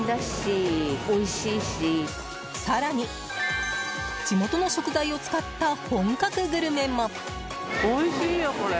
更に、地元の食材を使った本格グルメも。